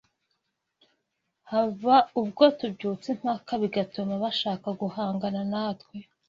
haba ubwo tubyutsa impaka bigatuma bashaka guhangana natwe,